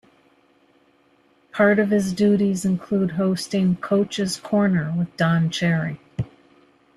Part of his duties include hosting "Coach's Corner" with Don Cherry.